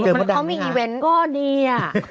เธอมีอีเวนต์ก้อนเนี่ย